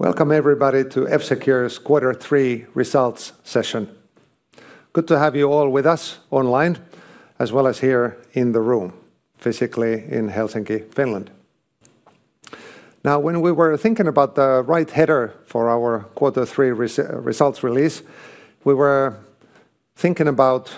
Welcome everybody to F‑Secure's quarter three results session. Good to have you all with us online as well as here in the room physically in Helsinki, Finland. Now, when we were thinking about the right header for our quarter 3 results release, we were thinking about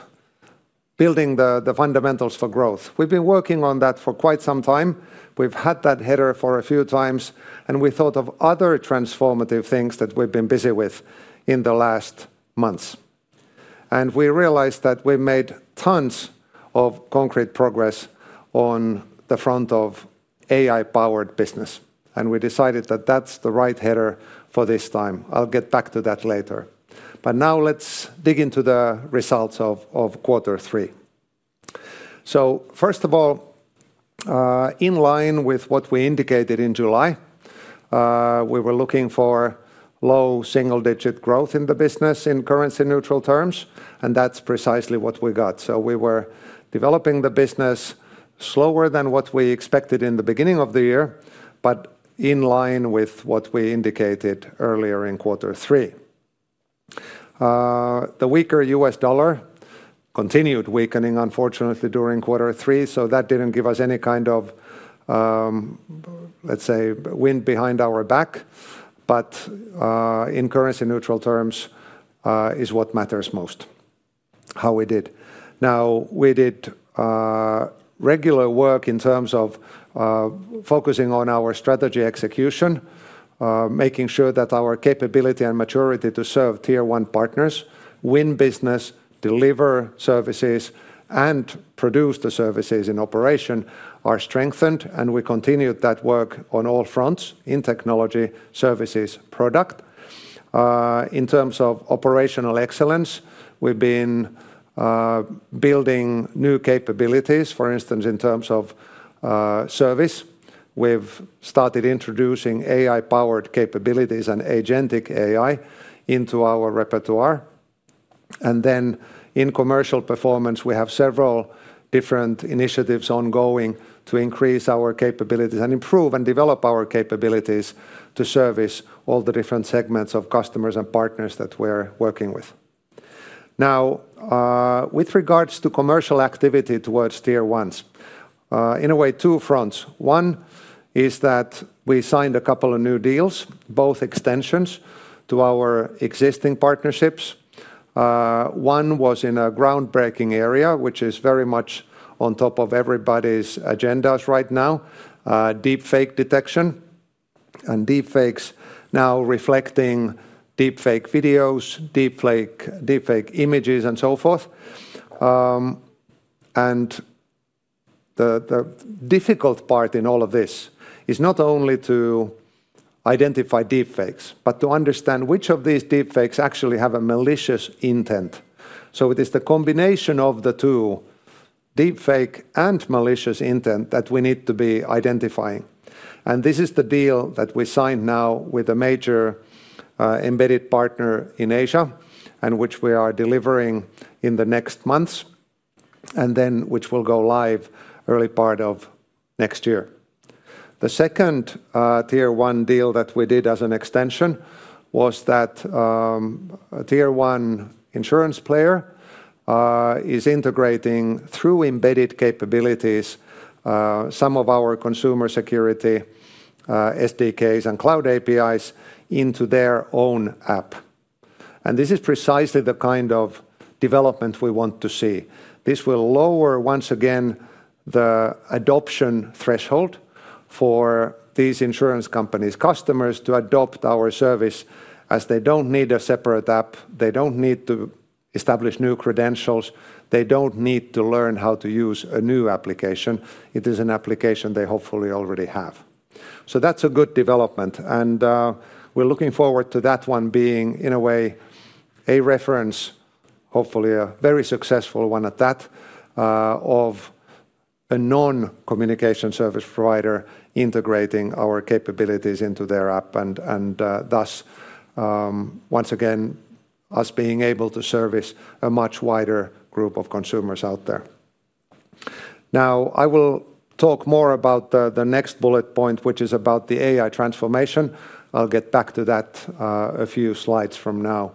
building the fundamentals for growth. We've been working on that for quite some time. We've had that header for a few times and we thought of other transformative things that we've been busy with in the last months. We realized that we made tons of concrete progress on the front of AI-powered business and we decided that that's the right header for this time. I'll get back to that later, but now let's dig into the results of quarter three. First of all, in line with what we indicated in July, we were looking for low single-digit growth in the business in currency-neutral terms. That's precisely what we got. We were developing the business slower than what we expected in the beginning of the year, but in line with what we indicated earlier in quarter three. The weaker U.S. dollar continued weakening, unfortunately, during quarter three. That didn't give us any kind of, say, wind behind our back. In currency-neutral terms is what matters most. How we did now, we did regular work in terms of focusing on our strategy execution, making sure that our capability and maturity to serve Tier One Partners, win business, deliver services, and produce the services in operation are strengthened. We continued that work on all fronts in technology, services, product. In terms of operational excellence, we've been building new capabilities. For instance, in terms of service, we've started introducing AI-powered capabilities and agentic AI into our repertoire. In commercial performance, we have several different initiatives ongoing to increase our capabilities and improve and develop our capabilities to service all the different segments of customers and partners that we're working with now. With regards to commercial activity towards Tier One, in a way, two fronts. One is that we signed a couple of new deals, both extensions to our existing partnerships. One was in a groundbreaking area which is very much on top of everybody's agendas right now: Deepfake detection and Deepfake now reflecting Deepfake videos, Deepfake images, and so forth. The difficult part in all of this is not only to identify Deepfake, but to understand which of these deepfakes actually have a malicious intent. It is the combination of the two, deepfake and malicious intent, that we need to be identifying. This is the deal that we signed now with a major embedded partner in Asia, which we are delivering in the next months and which will go live early part of next year. The second Tier One deal that we did as an extension was that a Tier One insurance player is integrating through embedded capabilities some of our consumer security SDKs and cloud APIs into their own app. This is precisely the kind of development we want to see. This will lower once again the adoption threshold for these insurance companies' customers to adopt our service, as they don't need a separate app, they don't need to establish new credentials, they don't need to learn how to use a new application. It is an application they hopefully already have. That's a good development and we're looking forward to that one being, in a way, a reference, hopefully a very successful one at that, of a non-communication service provider integrating our capabilities into their app and thus once again us being able to service a much wider group of consumers out there. I will talk more about the next bullet point, which is about the AI transformation. I'll get back to that a few slides from now.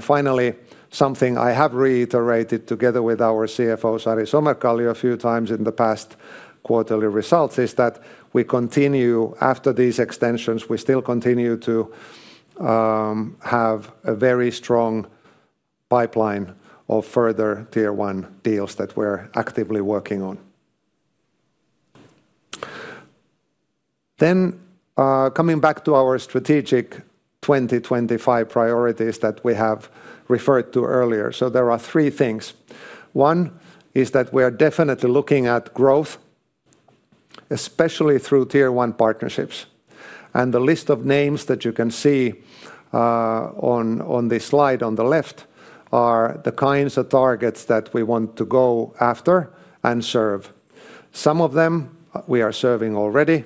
Finally, something I have reiterated together with our CFO Sari Somerkallio a few times in the past quarterly results is that we continue after these extensions. We still continue to have a very strong pipeline of further Tier One deals that we're actively working on. Coming back to our strategic 2025 priorities that we have referred to earlier, there are three things. One is that we are definitely looking at growth, especially through Tier One partnerships, and the list of names that you can see on this slide on the left are the kinds of targets that we want to go after and serve. Some of them we are serving already.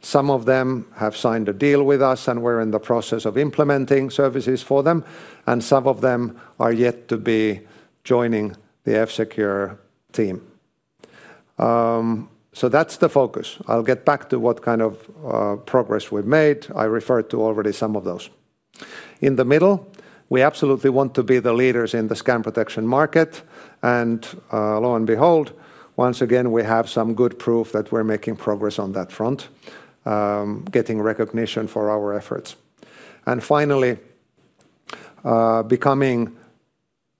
Some of them have signed a deal with us and we're in the process of implementing services for them, and some of them are yet to be joining the F‑Secure team. That's the focus. I'll get back to what kind of progress we've made. I referred to already some of those in the middle. We absolutely want to be the leaders in the scam protection market and, lo and behold, once again we have some good proof that we're making progress on that front, getting recognition for our efforts, finally becoming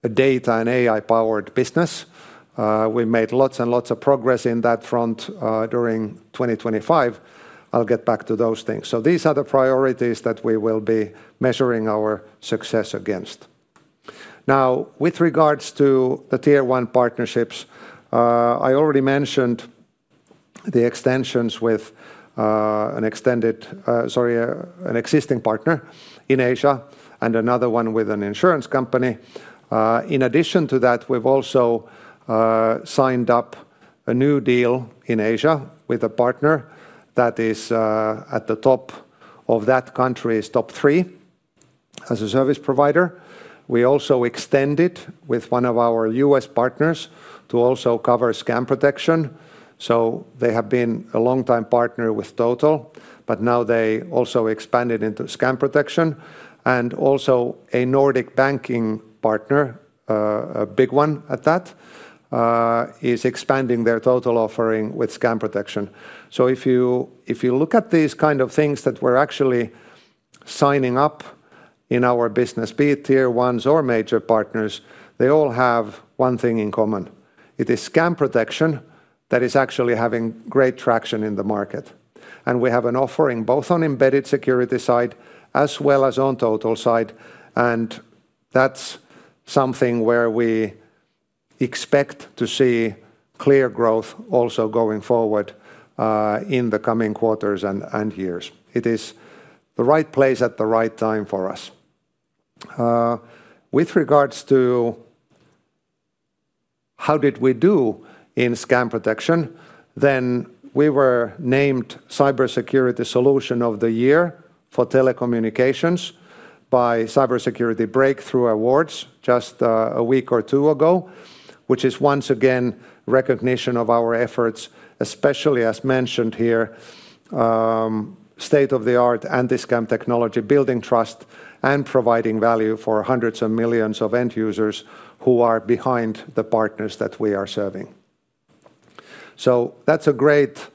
a data and AI powered business. We made lots and lots of progress in that front during 2025. I'll get back to those things. These are the priorities that we will be measuring our success against. Now with regards to the Tier one partnerships, I already mentioned the extensions with an existing partner in Asia and another one with an insurance company. In addition to that, we've also signed up a new deal in Asia with a partner that is at the top of that country's top three as a service provider. We also extended with one of our U.S. partners to also cover scam protection. They have been a long time partner with Total, but now they also expanded into scam protection and also a Nordic banking partner, a big one at that, is expanding their Total offering with scam protection. If you look at these kind of things that we're actually signing up in our business, be it Tier One or major partners, they all have one thing in common. It is scam protection that is actually having great traction in the market. We have an offering both on embedded security side as well as on Total side. That's something where we expect to see clear growth also going forward in the coming quarters and years. It is the right place at the right time for us with regards to how did we do in scam protection then we were named Cybersecurity Solution of the Year for Telecommunications by Cybersecurity Breakthrough Award just a week or two ago, which is once again recognition of our efforts, especially as mentioned here, state of the art anti scam technology, building trust and providing value for hundreds of millions of end users who are behind the partners that we are serving. That's a great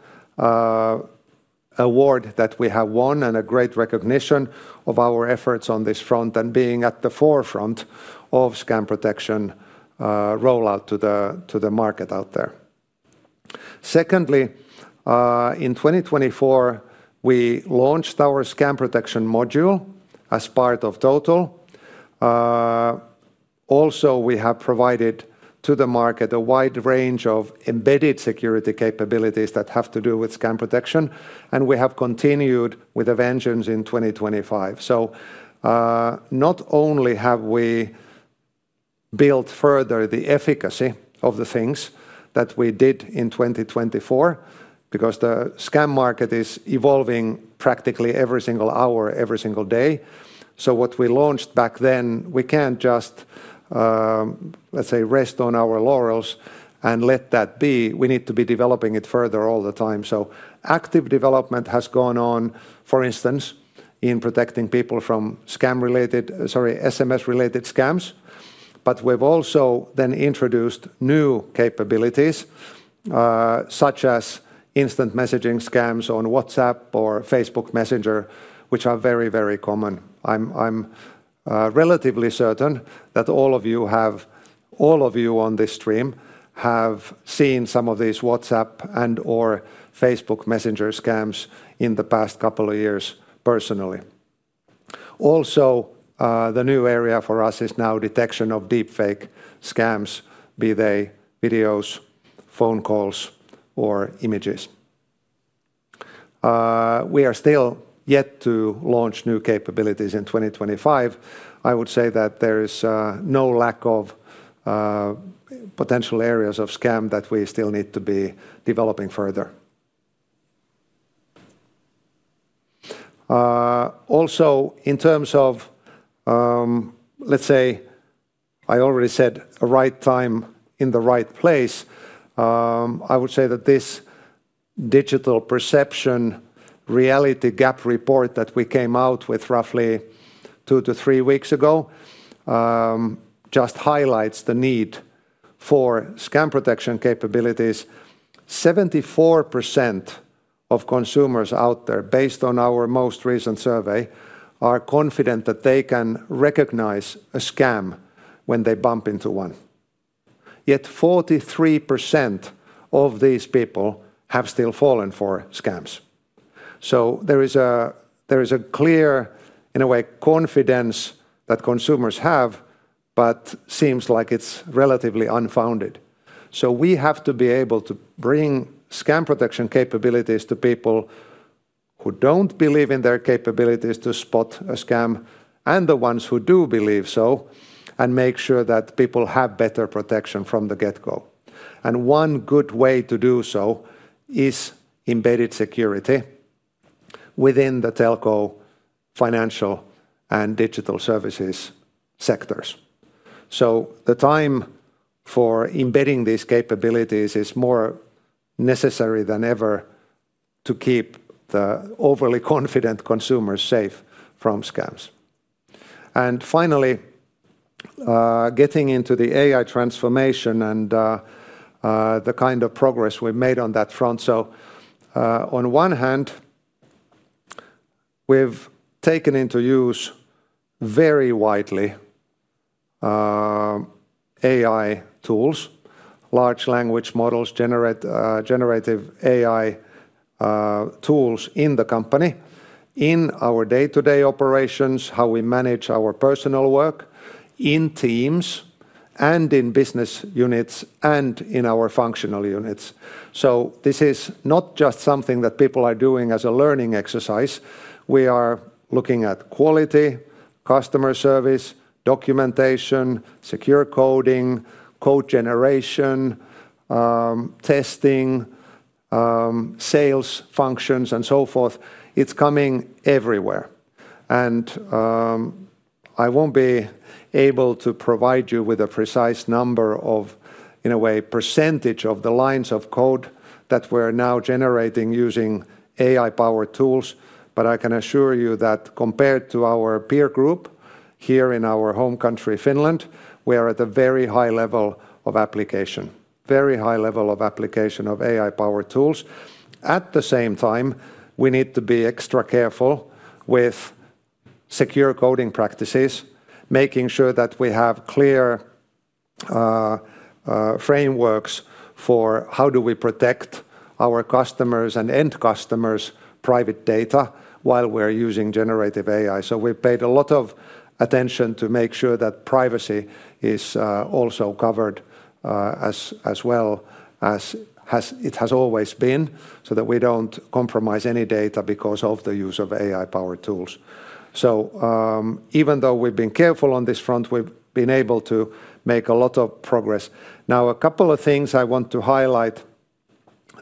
award that we have won and a great recognition of our efforts on this front and being at the forefront of scam protection rollout to the market out there. Secondly, in 2024 we launched our scam protection module as part of Total. Also we have provided to the market a wide range of embedded security capabilities that have to do with scam protection and we have continued with Avengers in 2025. Not only have we built further the efficacy of the things that we did in 2024, because the scam market is evolving practically every single hour, every single day. What we launched back then, we can't just, let's say, rest on our laurels and let that be. We need to be developing it further all the time. Active development has gone on, for instance, in protecting people from SMS-related scams. We've also introduced new capabilities such as instant messaging scams on WhatsApp or Facebook Messenger, which are very, very common. I'm relatively certain that all of you on this stream have seen some of these WhatsApp and/or Facebook Messenger scams in the past couple of years. Personally, also, the new area for us is now detection of Deepfake scams, be they videos, phone calls, or images. We are still yet to launch new capabilities in 2025. There is no lack of potential areas of scam that we still need to be developing further. Also, in terms of, let's say, I already said right time in the right place, I would say that this digital perception reality gap report that we came out with roughly two to three weeks ago just highlights the need for scam protection capabilities. 74% of consumers out there, based on our most recent survey, are confident that they can recognize a scam when they bump into one. Yet 43% of these people have still fallen for scams. There is a clear, in a way, confidence that consumers have, but it seems like it's relatively unfounded. We have to be able to bring scam protection capabilities to people who don't believe in their capabilities to spot a scam and the ones who do believe so and make sure that people have better protection from the get-go. One good way to do so is embedded security within the telco, financial, and digital services sectors. The time for embedding these capabilities is more necessary than ever to keep the overly confident consumers safe from scams. Finally, getting into the AI transformation and the kind of progress we've made on that front. On one hand, we've taken into use very widely AI tools, large language models, generative AI tools in the company in our day-to-day operations, how we manage our personal work in teams and in business units and in our functional units. This is not just something that people are doing as a learning exercise. We are looking at quality customer service documentation, secure coding, code generation, testing, sales functions, and so forth. It's coming everywhere, and I won't be able to provide you with a precise number of, in a way, percentage of the lines of code that we're now generating using AI-powered tools. I can assure you that compared to our peer group here in our home country Finland, we are at a very high level of application, very high level of application of AI powered tools. At the same time, we need to be extra careful with secure coding practices, making sure that we have clear frameworks for how we protect our customers and end customers' private data while we're using generative AI. We paid a lot of attention to make sure that privacy is also covered as well as it has always been so that we don't compromise any data because of the use of AI powered tools. Even though we've been careful on this front, we've been able to make a lot of progress. A couple of things I want to highlight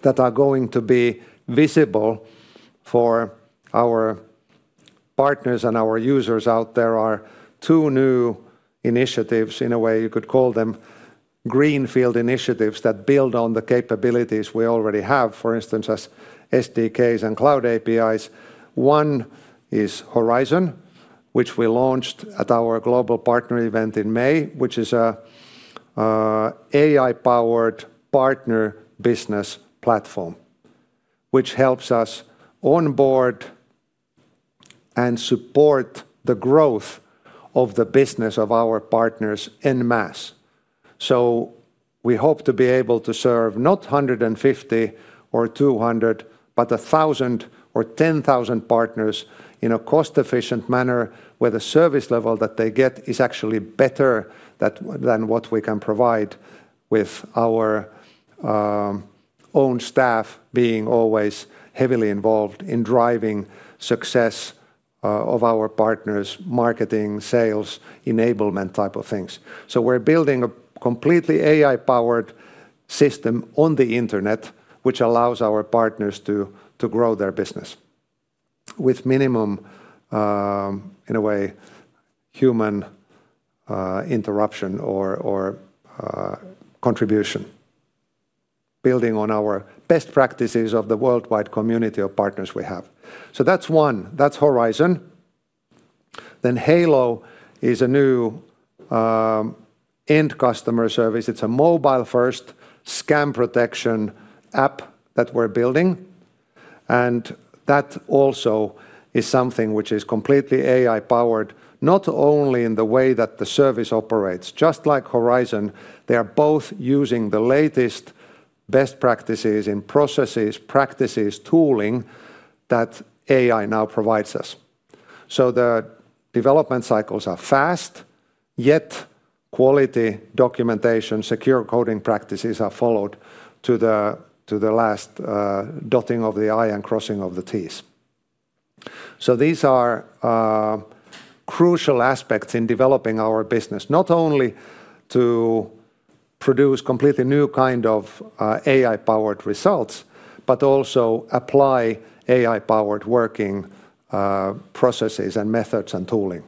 that are going to be visible for our partners and our users out there are two new initiatives. In a way, you could call them greenfield initiatives that build on the capabilities we already have, for instance as SDKs and Cloud APIs. One is Horizon, which we launched at our global partner event in May, which is an AI powered partner business platform that helps us onboard and support the growth of the business of our partners en masse. We hope to be able to serve not 150 or 200, but 1000 or 10,000 partners in a cost efficient manner where the service level that they get is actually better than what we can provide with our own staff being always heavily involved in driving success of our partners, marketing, sales, enablement, type of things. We are building a completely AI powered system on the Internet which allows our partners to grow their business with minimum, in a way, human interruption or contribution, building on our best practices of the worldwide community of partners we have. That's one, that's Horizon then. Halo is a new end customer service. It's a mobile first scam protection app that we're building and that also is something which is completely AI powered, not only in the way that the service operates. Just like Horizon, they are both using the latest best practices in processes, practices, tooling that AI now provides us. The development cycles are fast yet quality documentation, secure coding practices are followed to the last dotting of the I and crossing of the T's. These are crucial aspects in developing our business, not only to produce completely new kind of AI powered results but also apply AI powered working processes and methods and tooling.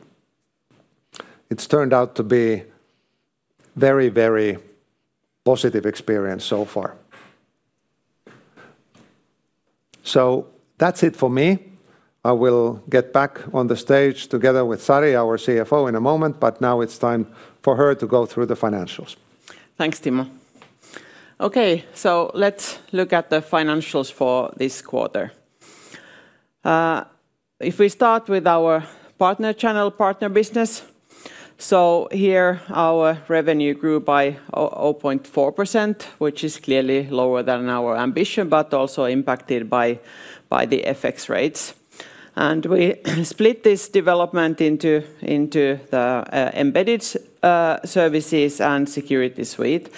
It's turned out to be very, very positive experience so far. That's it for me. I will get back on the stage together with Sari, our CFO, in a moment, but now it's time for her to go through the financials. Thanks Timo. Okay, so let's look at the financials for this quarter. If we start with our partner channel, partner business. Here our revenue grew by 0.4% which is clearly lower than our ambition, but also impacted by the FX rates. We split this development into the embedded services and security suite.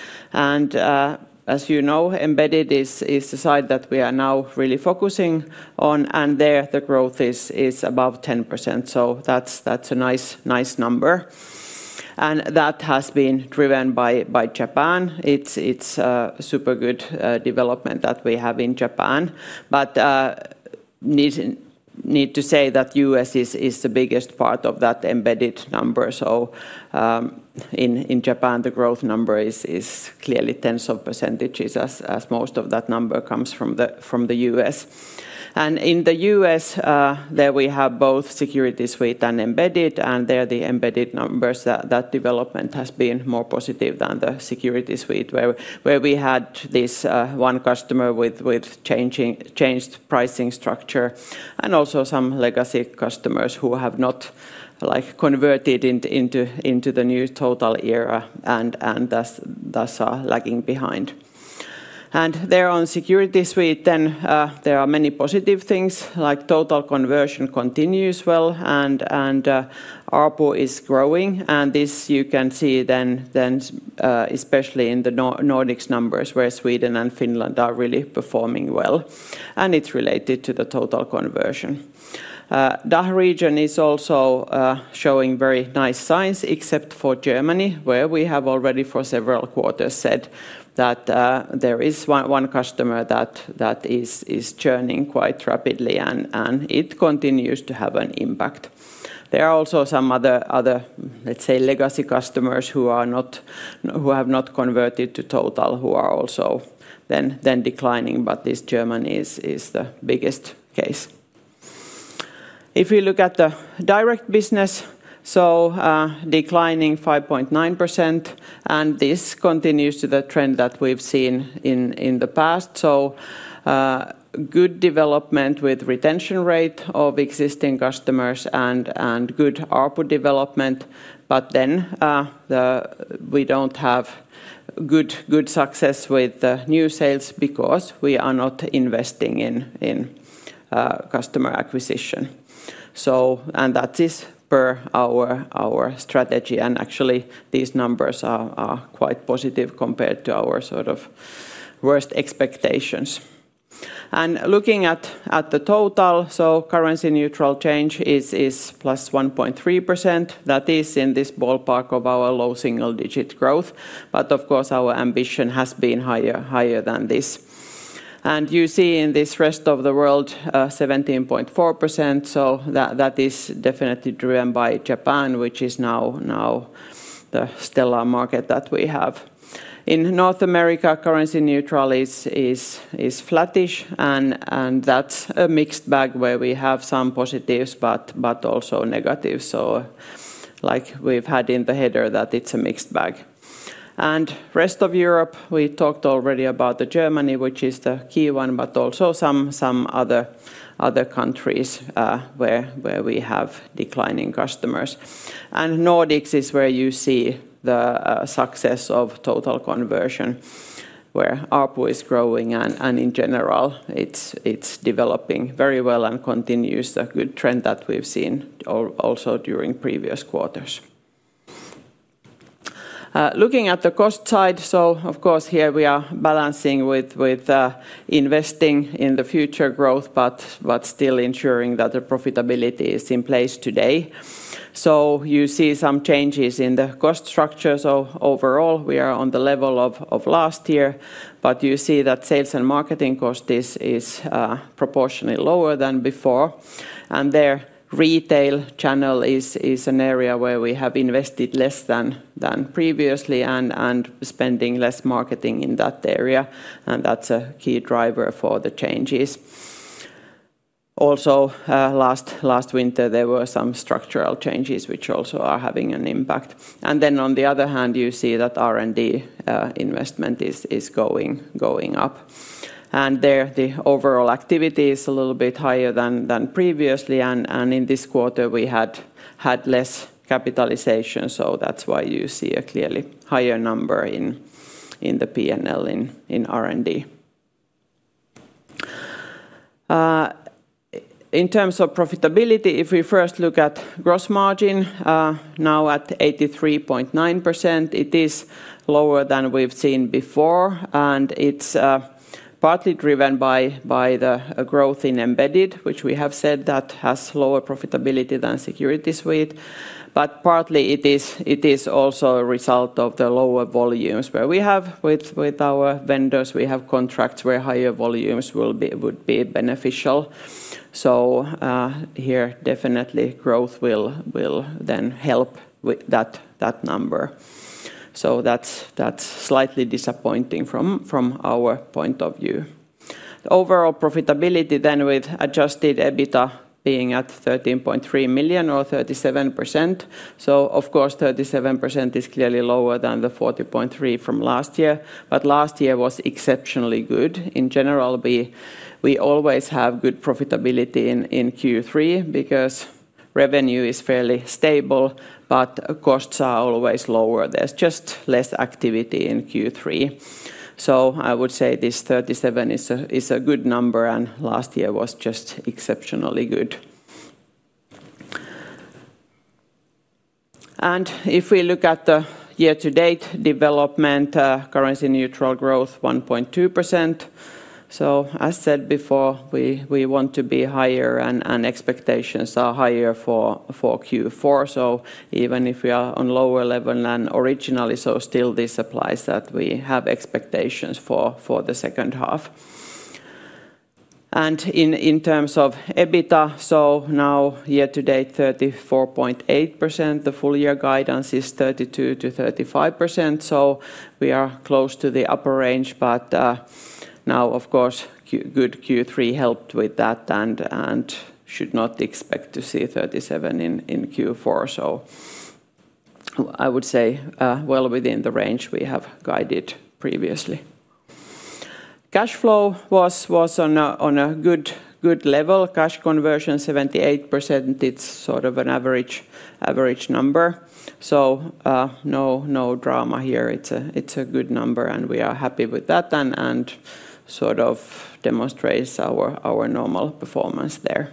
As you know, embedded is the side that we are now really focusing on and there the growth is above 10%. That's a nice number and that has been driven by Japan. It's super good development that we have in Japan, but need to say that U.S. is the biggest part of that embedded number. In Japan the growth number is clearly tens of percentages as most of that number comes from the U.S. and in the U.S. there we have both security suite and embedded and there the embedded numbers, that development has been more positive than the security suite where we had this one customer with changed pricing structure and also some legacy customers who have not converted into the new total era and thus are lagging behind. There on security suite then there are many positive things like total conversion continues well and ARPU is growing and this you can see then especially in the Nordics numbers where Sweden and Finland are really performing well and it's related to the total conversion. DACH region is also showing very nice signs except for Germany where we have already for several quarters said that there is one customer that is churning quite rapidly and it continues to have an impact. There are also some other, let's say legacy customers who have not converted to total who are also then declining. This German is the biggest case. If we look at the direct business, declining 5.9% and this continues the trend that we've seen in the past. Good development with retention rate of existing customers and good ARPU development. We don't have good success with new sales because we are not investing in customer acquisition. That is per our strategy. Actually these numbers are quite positive compared to our sort of worst expectations. Looking at the total, currency-neutral change is plus 1.3%. That is in this ballpark of our low single digit growth. Of course our ambition has been higher, higher than this. You see in this rest of the world 17.4%. That is definitely driven by Japan which is now the stellar market that we have in North America. Currency-neutral is flattish and that's a mixed bag where we have some positives but also negatives. Like we've had in the header that it's a mixed bag. In rest of Europe, we talked already about Germany, which is the key one, but also some other countries where we have declining customers. Nordics is where you see the success of total conversion where ARPU is growing and in general it's developing very well and continues a good trend that we've seen also during previous quarters. Looking at the cost side, we are balancing with investing in the future growth but still ensuring that the profitability is in place today. You see some changes in the cost structure. Overall, we are on the level of last year, but you see that sales and marketing cost is proportionally lower than before. The retail channel is an area where we have invested less than previously and spending less marketing in that area. That's a key driver for the changes. Last winter there were some structural changes which also are having an impact. On the other hand, you see that R&D investment is going up and there the overall activity is a little bit higher than previously. In this quarter, we had less capitalization. That's why you see a clearly higher number in the P&L in R&D. In terms of profitability, if we first look at gross margin now at 83.9%, it is lower than we've seen before. It's partly driven by the growth in embedded security, which we have said has lower profitability than Total security suite. Partly it is also a result of the lower volumes we have with our vendors. We have contracts where higher volumes would be beneficial. Growth will then help with that number. That's slightly disappointing from our point of view. Overall profitability then with adjusted EBITDA being at 13.3 million or 37%. 37% is clearly lower than the 40.3% from last year, but last year was exceptionally good. In general, we always have good profitability in Q3 because revenue is fairly stable, but costs are always lower. There's just less activity in Q3. I would say this 37% is a good number and last year was just exceptionally good. If we look at the year-to-date development, currency-neutral growth is 1.2%. As said before, we want to be higher and expectations are higher for Q4. Even if we are on a lower level than originally, this still applies that we have expectations for the second half in terms of EBITDA. Now year to date 34.8%, the full year guidance is 32%-35%. We are close to the upper range. Of course, good Q3 helped with that and should not expect to see 37% in Q4. I would say well within the range we have guided previously. Cash flow was on a good level, cash conversion 78%. It's sort of an average number. No drama here. It's a good number and we are happy with that. That demonstrates our normal performance there.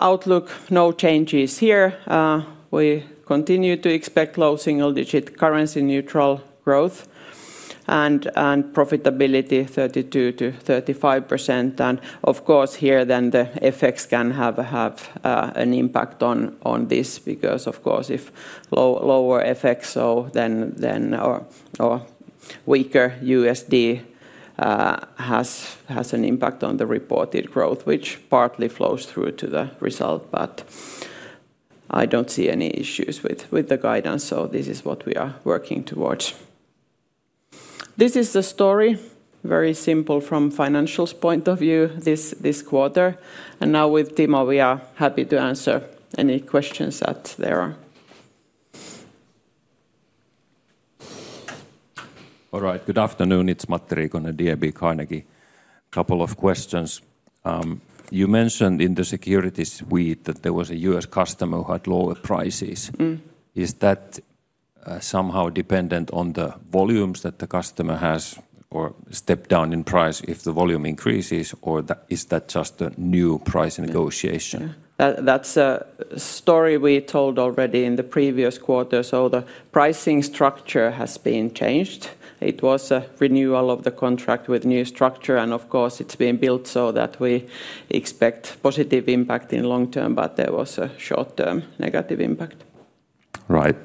Outlook, no changes here. We continue to expect low single digit currency-neutral growth and profitability 32%-35%. The effects can have an impact on this because if lower FXO then weaker USD has an impact on the reported growth which partly flows through to the result, but I don't see any issues with the guidance. This is what we are working towards. This is the story, very simple from a financial point of view this quarter and now with Dima. We are happy to answer any questions that there are. All right. Good afternoon, it's Matti Riikonen on the DNB Carnegie. Couple of questions. You mentioned in the Total security suite that there was a U.S. customer who had lower prices. Is that somehow dependent on the volumes that the customer has, or a step down in price if the volume increases, or is that just a new price negotiation? That's a story we told already in the previous quarter. The pricing structure has been changed. It was a renewal of the contract with new structure, and of course it's been built so that we expect positive impact in the long term, but there was a short term negative impact. Right.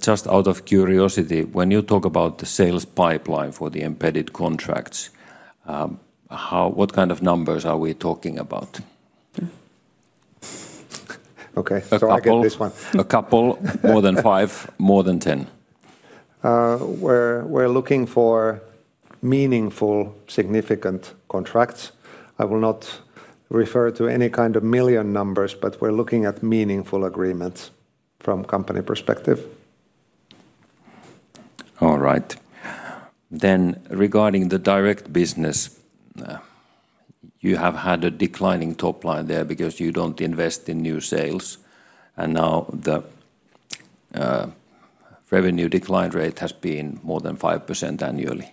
Just out of curiosity, when you talk about the sales pipeline for the embedded contracts, what kind of numbers are we talking about? Okay, I get this one. A couple more than five, more than 10. We're looking for meaningful, significant contracts. I will not refer to any kind of million numbers, but we're looking at meaningful agreements from company perspective. All right then, regarding the direct business, you have had a declining top line there because you don't invest in new sales. Now the revenue decline rate has been more than 5% annually.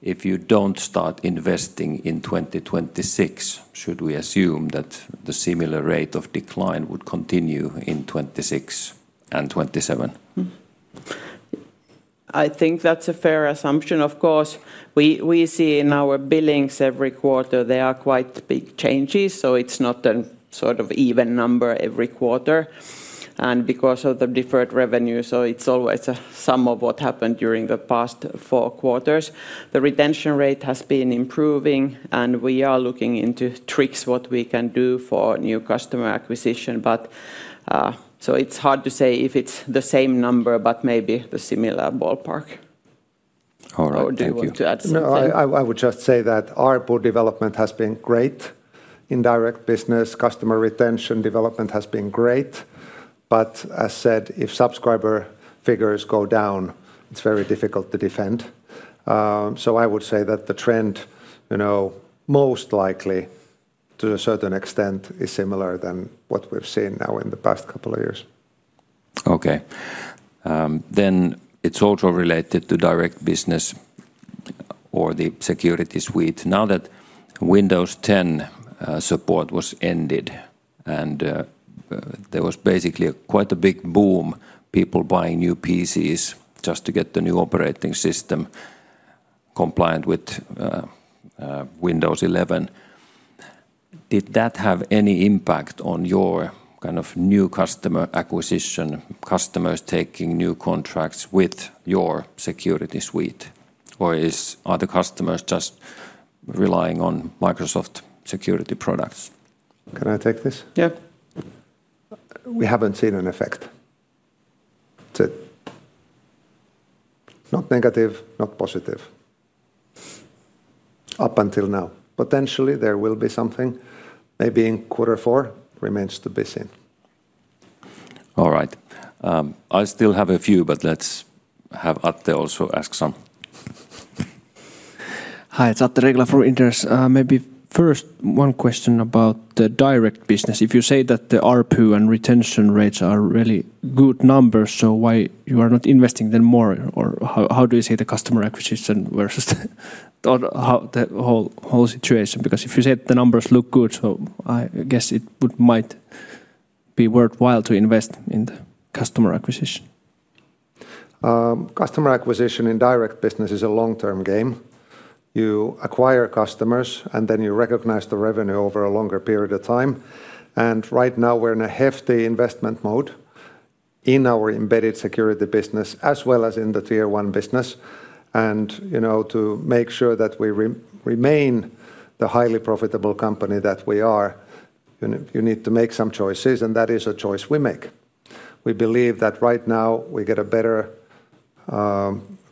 If you don't start investing in 2026, should we assume that the similar rate of decline would continue in 2026 and 2027? I think that's a fair assumption. Of course, we see in our billings every quarter there are quite big changes. It's not a sort of even number every quarter because of the deferred revenue. It's always a sum of what happened during the past four quarters. The retention rate has been improving and we are looking into tricks, what we can do for new customer acquisition. It's hard to say if it's the same number, but maybe the similar ballpark or do you want to add something? I would just say that ARPU development has been great. Indirect business, customer retention development has been great. As said, if subscriber figures go down, it's very difficult to defend. I would say that the trend most likely to a certain extent is similar to what we've seen now in the past couple of years. Okay, then it's also related to Direct Business or the security suite. Now that Windows 10 support was ended, and there was basically quite a big boom, people buying new PCs just to get the new operating system compliant with Windows 11. Did that have any impact on your kind of new customer acquisition, customers taking new contracts with your security suite? Or are other customers just relying on Microsoft security products? Can I take this? Yeah. We haven't seen an effect, not negative, not positive up until now. Potentially there will be something maybe in quarter four. Remains to be seen. All right, I still have a few, but let's have Ate also ask some. Hi, it's at the regular 4 interest maybe. First, one question about the direct business. If you say that the ARPU and retention rates are really good numbers, why are you not investing in them more, or how do you say the customer acquisition versus the whole situation? If you said the numbers look good, I guess it might be worthwhile to invest in customer acquisition. Customer acquisition in direct business is a long-term game. You acquire customers, and then you recognize the revenue over a longer period of time. Right now we're in a hefty investment mode in our embedded security business as well as in the Tier One business. To make sure that we remain the highly profitable company that we are, you need to make some choices, and that is a choice we make. We believe that right now we get a better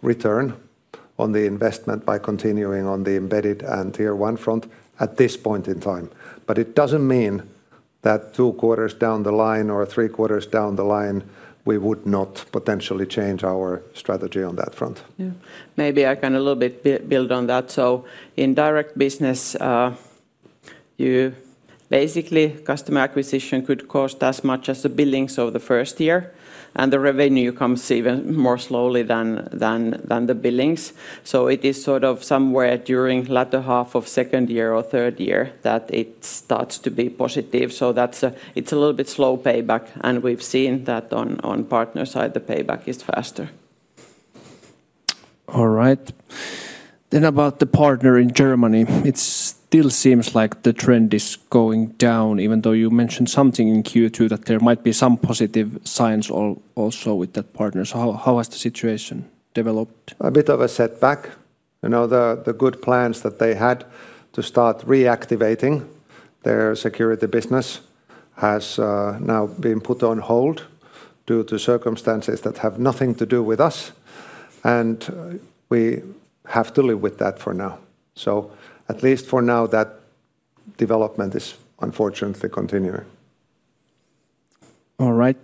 return on the investment by continuing on the embedded andTier One front at this point in time. It doesn't mean that 2/4 down the line or 3/4 down the line we would not potentially change our strategy on that front. Maybe I can a little bit build on that. In direct business, basically, customer acquisition could cost as much as the billings of the first year, and the revenue comes even more slowly than the billings. It is sort of somewhere during latter half of second year or third year that it starts to be positive. It's a little bit slow payback, and we've seen that on partner side, the payback is faster. All right, then about the partner in Germany, it still seems like the trend is going down, even though you mentioned something in Q2 that there might be some positive signs also with that partner. How has the situation developed? Bit of a setback? The good plans that they had to start reactivating their security business have now been put on hold due to circumstances that have nothing to do with us. We have to live with that for now. At least for now that development is unfortunately continuing. All right,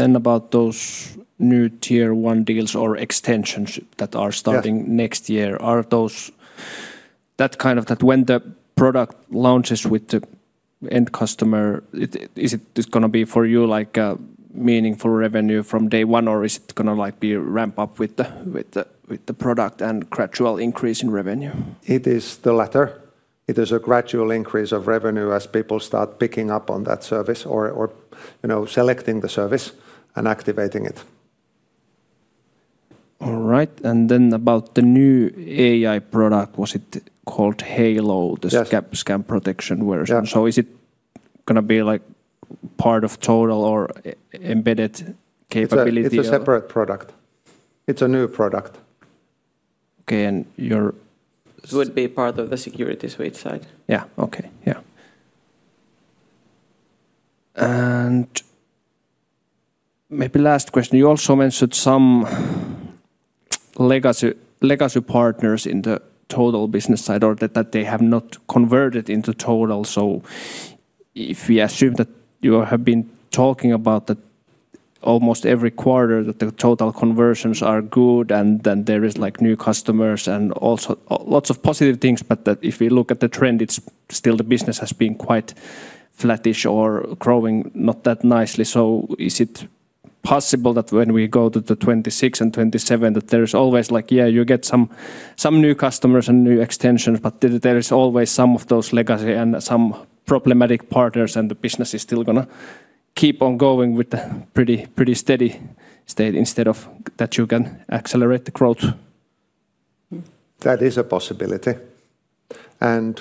about those new Tier One deals or extensions that are starting next year, are those that, when the product launches with the end customer, is it going to be for you like meaningful revenue from day one, or is it going to be like ramp up with the product and gradual increase in revenue? It is the latter. It is a gradual increase of revenue as people start picking up on that service, selecting the service, and activating it. All right, and then about the new AI product, was it called Halo, the scam protection version? Is it going to be like part of Total or embedded capability? Is it a separate product? It's a new product. Okay. You would be part of the security suite side? Yeah. Okay. Yeah. And. Maybe last question, you also mentioned some legacy partners in the Total business side or that they have not converted into Total. If we assume that you have been talking about that almost every quarter, that the Total conversions are good and then there is new customers and also lots of positive things. If we look at the trend, it's still the business has been quite flattish or growing not that nicely. Is it possible that when we go to 2026 and 2027 that there's always, yeah, you get some new customers and new extensions, but there is always some of those legacy and some problematic partners and the business is still going to keep on going with a pretty, pretty steady state instead of that you can accelerate the growth? That is a possibility.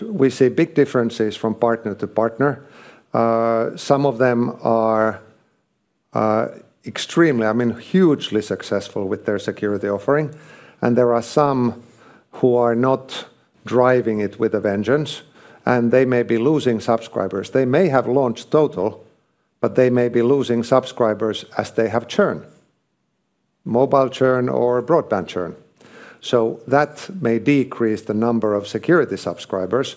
We see big differences from partner to partner. Some of them are extremely, I mean, hugely successful with their security offering, and there are some who are not driving it with a vengeance. They may be losing subscribers. They may have launched Total, but they may be losing subscribers as they have churn, mobile churn, or broadband churn. That may decrease the number of security subscribers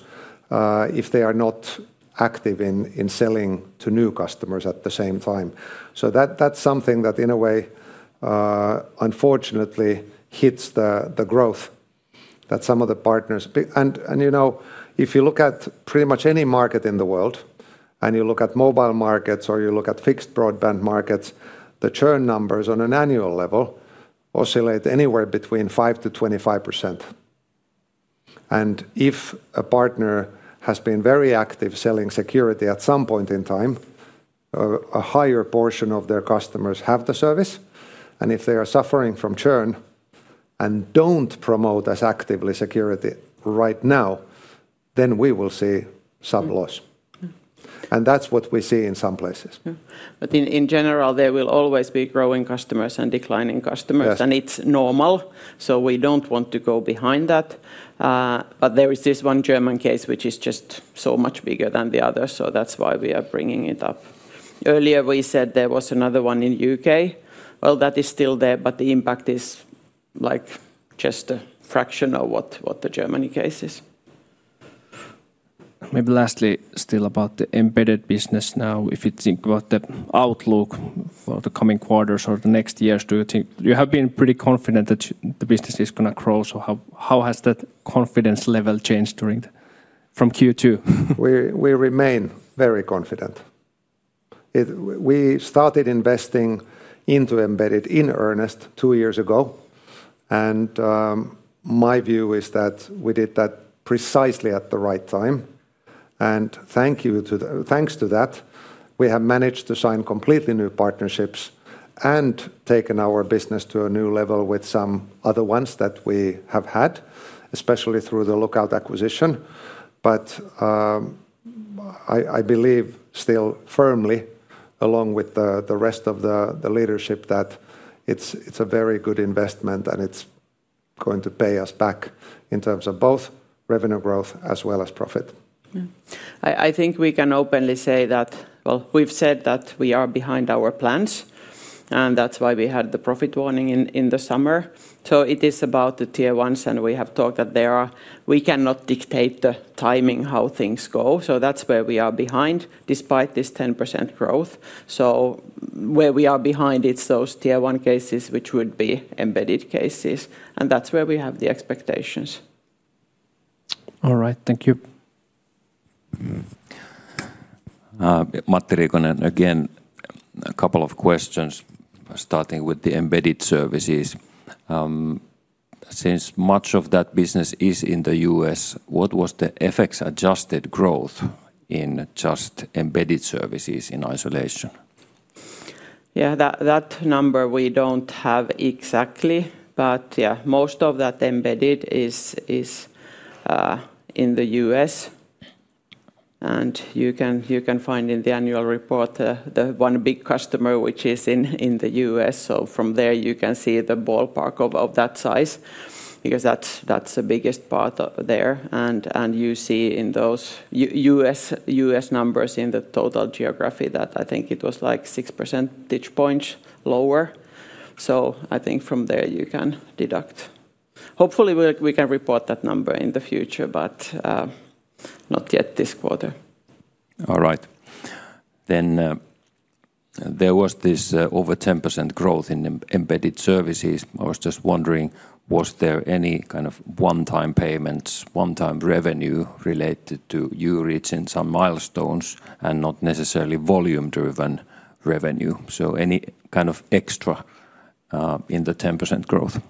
if they are not active in selling to new customers at the same time. That is something that in a way unfortunately hits the growth of some of the partners. If you look at pretty much any market in the world and you look at mobile markets or you look at fixed broadband markets, the churn numbers on an annual level oscillate anywhere between 5%-25%. If a partner has been very active selling security at some point in time, a higher portion of their customers have the service. If they are suffering from churn and don't promote as actively security right now, then we will see some loss. That is what we see in some places. In general, there will always be growing customers and declining customers, and it's normal. We don't want to go behind that. There is this one German case which is just so much bigger than the others, so that's why we are bringing it up. Earlier, we said there was another one in the U.K. That is still there, but the impact is just a fraction of what the Germany case is maybe. Lastly, still about the embedded business now, if you think about the outlook for the coming quarters or the next years, do you think you have been pretty confident that the business is going to grow? How has that confidence level changed from Q2? We remain very confident. We started investing into embedded in earnest two years ago and my view is that we did that precisely at the right time. Thanks to that we have managed to sign completely new partnerships and taken our business to a new level with some other ones that we have had, especially through the Lookout acquisition. I believe still firmly along with the rest of the leadership that it's a very good investment and it's going to pay us back in terms of both revenue growth as well as profit. I think we can openly say that we've said that we are behind our plans and that's why we had the profit warning in the summer. It is about theTier Ones and we have talked that there are. We cannot dictate the timing, how things go. That's where we are behind despite this 10% growth. Where we are behind, it's those Tier One cases which would be embedded cases and that's where we have the expectations. All right, thank you. Matriconen. Again, a couple of questions starting with the embedded services. Since much of that business is in the U.S., what was the FX-adjusted growth in just embedded services in isolation? Yeah, that number we don't have exactly. Most of that embedded is in the U.S., and you can find in the annual report the one big customer which is in the U.S. From there you can see the ballpark of that size because that's the biggest part there. You see in those U.S. numbers in the total geography that I think it was like 6% lower. I think from there you can deduct, hopefully we can report that number in the future, but not yet this quarter. All right, then there was this over 10% growth in embedded services. I was just wondering, was there any kind of one-time payments, one-time revenue related to you reaching some milestones and not necessarily volume-driven revenue? Any kind of extra in the 10% growth?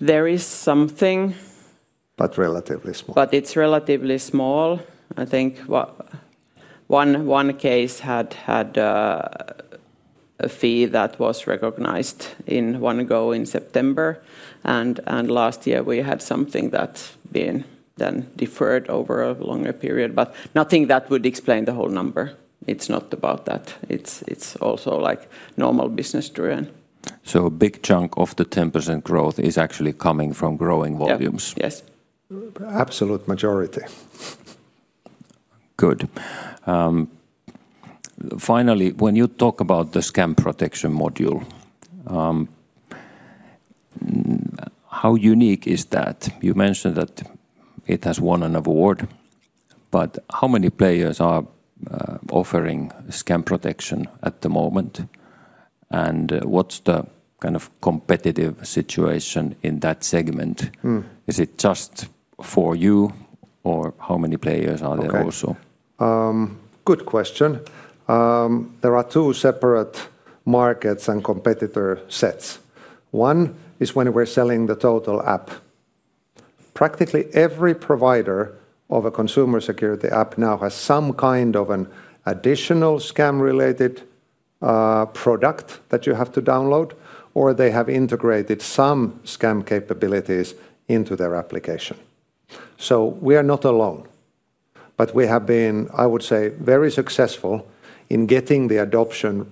There is something, but it's relatively small. I think one case had a fee that was recognized in one go in September, and last year we had something that then deferred over a longer period. Nothing that would explain the whole number. It's not about that. It's also like normal business driven. A big chunk of the 10% growth is actually coming from growing volumes. Yes, absolute majority. Good. Finally, when you talk about the scam protection module, how unique is that? You mentioned that it has won an award, but how many players are offering scam protection at the moment, and what's the kind of competitive situation in that segment? Is it just for you, or how many players are there also? Good question. There are two separate markets and competitor sets. One is when we're selling the Total app. Practically every provider of a consumer security app now has some kind of an additional scam related product that you have to download, or they have integrated some scam capabilities into their application. We are not alone, but we have been, I would say, very successful in getting the adoption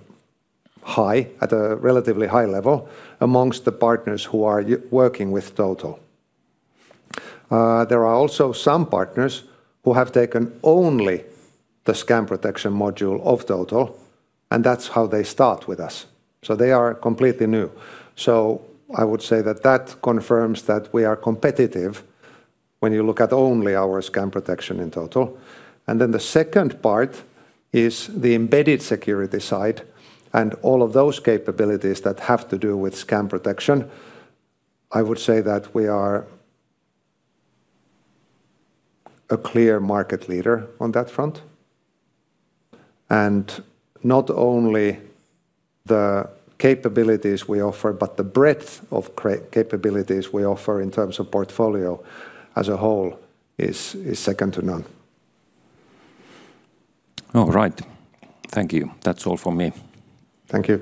high at a relatively high level. Amongst the partners who are working with Total, there are also some partners who have taken only the scam protection module of Total, and that's how they start with us. They are completely new. I would say that confirms that we are competitive when you look at only our scam protection in Total. The second part is the embedded security side, and all of those capabilities that have to do with scam protection. I would say that we are a clear market leader on that front. Not only the capabilities we offer, but the breadth of capabilities we offer in terms of portfolio as a whole is second to none. All right, thank you. That's all from me. Thank you.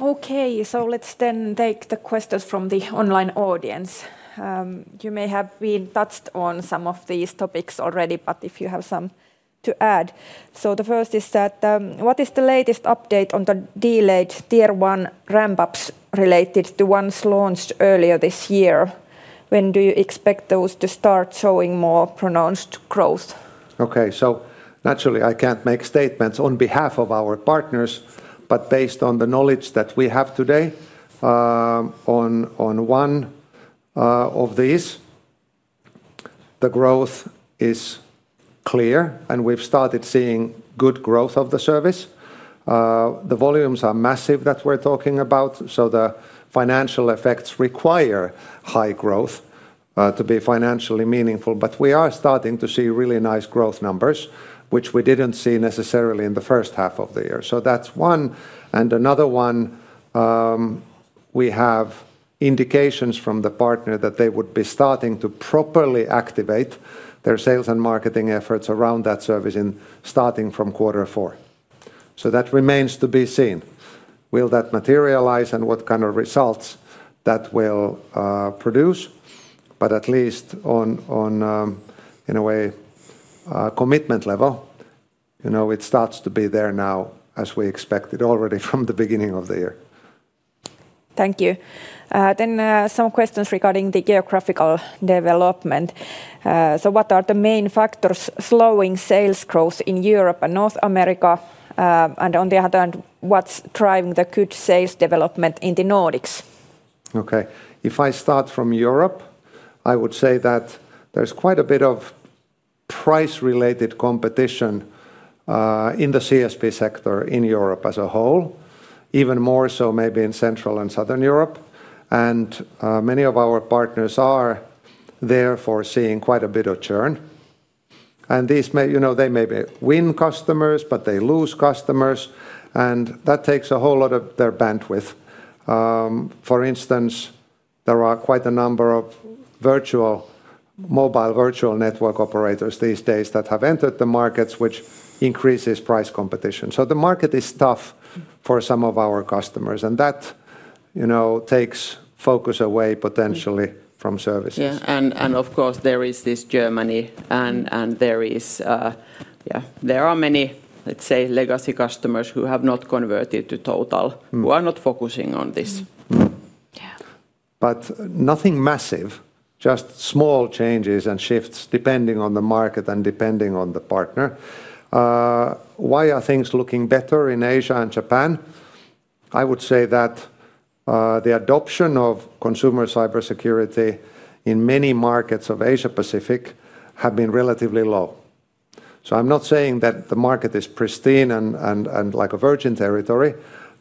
Okay, let's take the questions from the online audience. You may have touched on some of these topics already, but if you have something to add. The first is, what is the latest update on the delayed Tier One ramp ups related to ones launched earlier this year? When do you expect those to start showing more pronounced growth? Naturally, I can't make statements on behalf of our partners, but based on the knowledge that we have today on one of these, the growth is clear and we've started seeing good growth of the service. The volumes are massive that we're talking about. The financial effects require high growth to be financially meaningful. We are starting to see really nice growth numbers which we didn't see necessarily in the first half of the year. That's one, and another one, we have indications from the partner that they would be starting to properly activate their sales and marketing efforts around that service starting from quarter four. That remains to be seen, will that materialize and what kind of results that will produce. At least on, in a way, commitment level, you know, it starts to be there now as we expected already from the beginning of the year. Thank you. Some questions regarding the geographical development. What are the main factors slowing sales growth in Europe and North America? On the other hand, what's driving the good sales development in the Nordics? Okay, if I start from Europe, I would say that there's quite a bit of price-related competition in the CSP sector in Europe as a whole, even more so maybe in central and southern Europe. Many of our partners are therefore seeing quite a bit of churn. They may win customers, but they lose customers, and that takes a whole lot of their bandwidth. For instance, there are quite a number of virtual mobile, virtual network operators these days that have entered the markets, which increases price competition. The market is tough for some of our customers, and that takes focus away potentially from services. Of course, there is Germany, and there are many legacy customers who have not converted to Total, who are not focusing on. This, but nothing massive, just small changes and shifts depending on the market and depending on the partner. Why are things looking better in Asia and Japan? I would say that the adoption of consumer cybersecurity in many markets of Asia Pacific have been relatively low. I'm not saying that the market is pristine and like a virgin territory,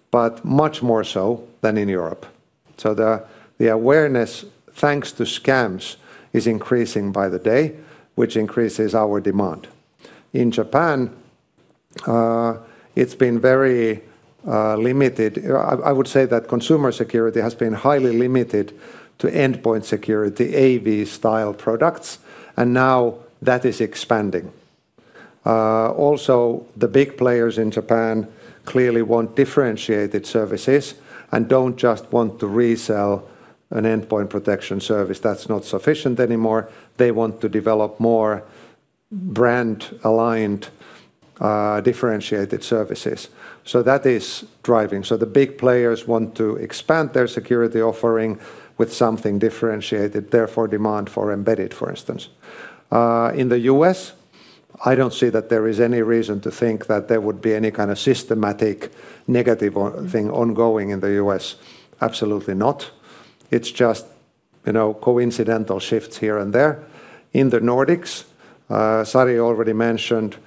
but much more so than in Europe. The awareness thanks to scams is increasing by the day, which increases our demand. In Japan it's been very limited. I would say that consumer security has been highly limited to endpoint security AV style products and now that is expanding. Also, the big players in Japan clearly want differentiated services and don't just want to resell an endpoint protection service that's not sufficient anymore. They want to develop more brand aligned differentiated services. That is driving. The big players want to expand their security offering with something differentiated. Therefore, demand for embedded. For instance, in the U.S. I don't see that there is any reason to think that there would be any kind of systematic negative thing ongoing in the U.S., absolutely not. It's just coincidental shifts here and there in the Nordics. Sari already mentioned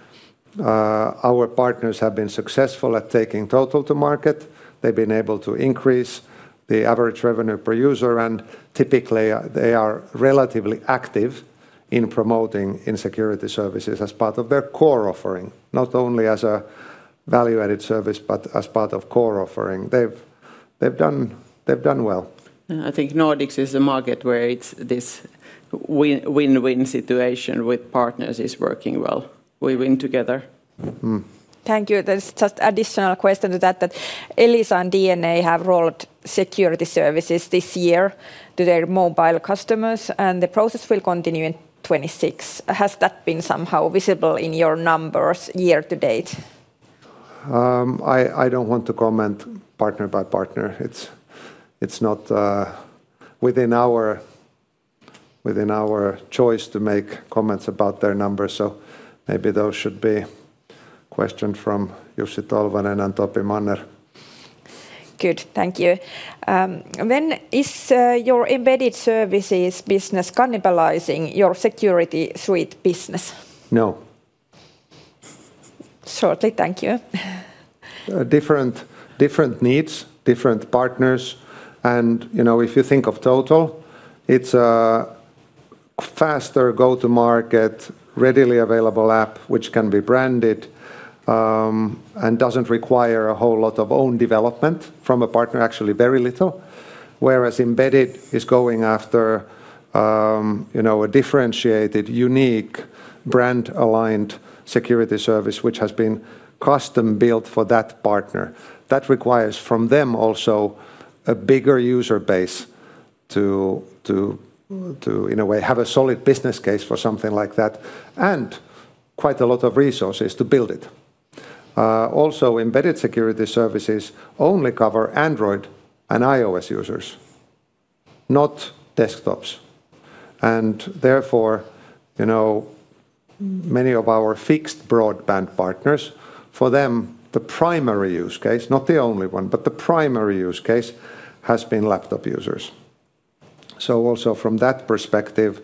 our partners have been successful at taking Total to market. They've been able to increase the average revenue per user and typically they are relatively active in promoting insecurity services as part of their core offering, not only as a value added service but as part of core offering. They've done well. I think Nordics is the market where this win-win situation with partners is working well. We win together. Thank you. There's just additional question to that. Elisa and DNA have rolled security services this year to their mobile customers, and the process will continue in 2026. Has that been somehow visible in your numbers year to date? I don't want to comment partner by partner. It's not within our choice to make comments about their number, so maybe those should be questions for Jussi Tolvanen and Antti Paananen. Good, thank you. Is your embedded services business cannibalizing your security suite business? No. Shortly. Thank you. Different needs, different partners. If you think of Total, it's a faster go to market, readily available app which can be branded and doesn't require a whole lot of own development from a partner, actually very little. Whereas embedded is going after a differentiated, unique, brand aligned security service which has been custom built for that partner. That requires from them also a bigger user base to in a way have a solid business case for something like that and quite a lot of resources to build it. Also, embedded security services only cover Android and iOS users, not desktops, and therefore many of our fixed broadband partners, for them the primary use case, not the only one, but the primary use case has been laptop users. From that perspective,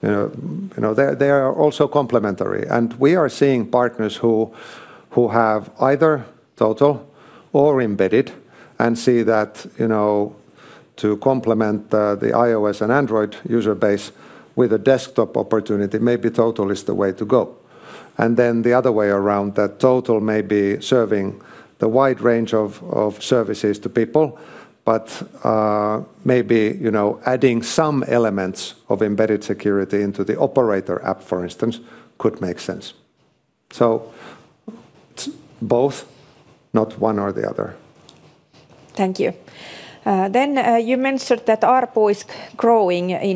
they are also complementary and we are seeing partners who have either Total or embedded and see that to complement the iOS and Android user base with a desktop opportunity, maybe Total is the way to go. The other way around, Total may be serving the wide range of services to people, but maybe adding some elements of embedded security into the operator app for instance could make sense. Both, not one or the other. Thank you. You mentioned that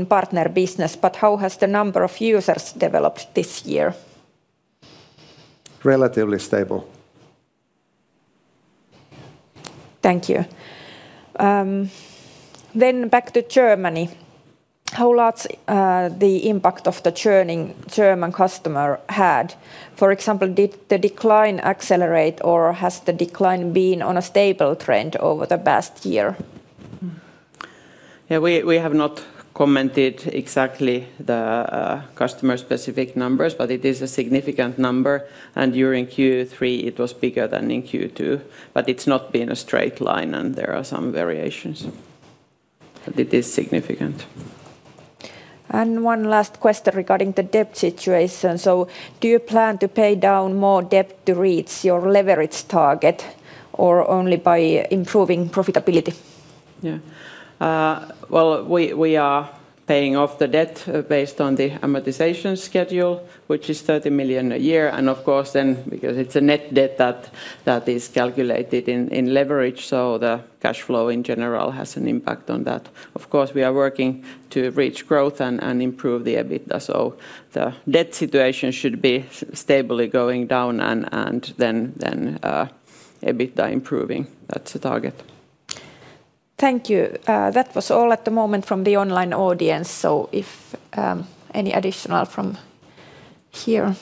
partner business is growing, but how has the number of users developed this year? Relatively stable. Thank you. Back to Germany, how large was the impact of the churning German customer? For example, did the decline accelerate, or has the decline been on a stable trend over the past year? We have not commented exactly the customer specific numbers, but it is a significant number. During Q3 it was bigger than in Q2, but it's not been a straight line and there are some variations. It is significant. One last question regarding the debt situation. Do you plan to pay down more debt to reach your leverage target or only by improving profitability? We are paying off the debt based on the amortization schedule, which is $30 million a year. Of course, because it's a net debt that is calculated in leverage, the cash flow in general has an impact on that. We are working to reach growth and improve the EBITDA. The debt situation should be stably going down and EBITDA improving. That's the target. Thank you. That was all at the moment from the online audience. If any additional from here.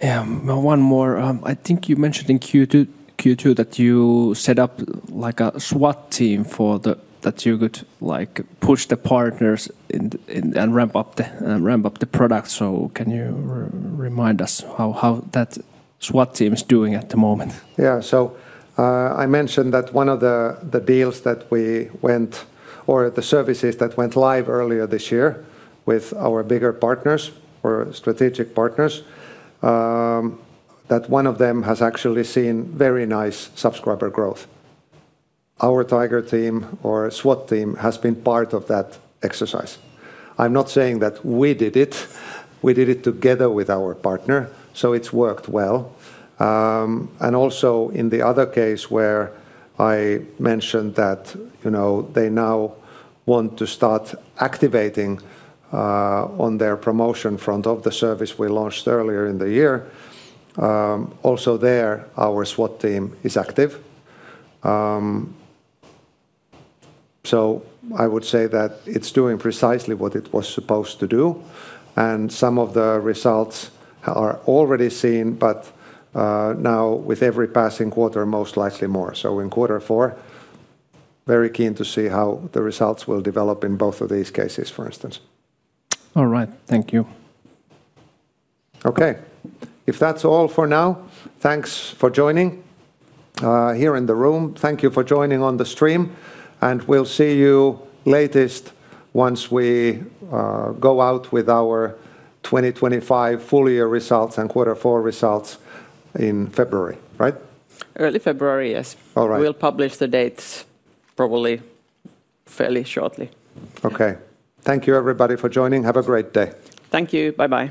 One. I think you mentioned in Q2 that you set up like a SWAT team for that you could like push the partners in and ramp up the product. Can you remind us how that SWAT team is doing at the moment? Yeah. I mentioned that one of the deals that we went or the services that went live earlier this year with our bigger partners or strategic partners, that one of them has actually seen very nice subscriber growth. Our tiger team or SWAT team has been part of that exercise. I'm not saying that we did it. We did it together with our partner. It's worked well. Also, in the other case where I mentioned that they now want to start activating on their promotion front of the service we launched earlier in the year, our SWAT team is active. I would say that it's doing precisely what it was supposed to do, and some of the results are already seen. Now, with every passing quarter, most likely more so in quarter four, very keen to see how the results will develop in both of these cases, for instance. All right, thank you. Okay, if that's all for now, thanks for joining here in the room. Thank you for joining on the stream, and we'll see you latest once we go out with our 2025 full year results and quarter four results in February, right? Early February, yes. All right. We'll publish the dates probably fairly shortly. Okay, thank you everybody for joining. Have a great day. Thank you. Bye bye.